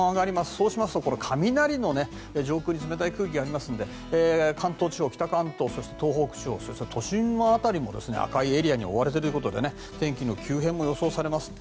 そうしますと雷も上空に冷たい空気がありますので関東地方、北関東、東北地方そして都心の辺りも赤いエリアに覆われているということで天気の急変も予想されます。